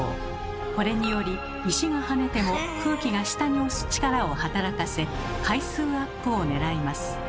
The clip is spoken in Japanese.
これにより石が跳ねても空気が下に押す力を働かせ回数アップをねらいます。